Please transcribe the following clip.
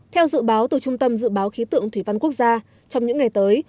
theo dự báo từ trung tâm dự báo khí tượng thủy văn quốc gia trong những ngày tới